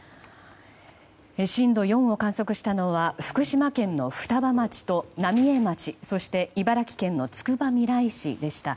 震度４を観測したのは福島県の双葉町と浪江町そして、茨城県のつくばみらい市でした。